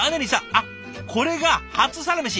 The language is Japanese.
あっこれが初サラメシ。